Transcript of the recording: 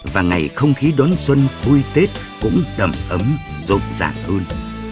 và ngày không khí đón xuân vui tết cũng đầm ấm rộn ràng hơn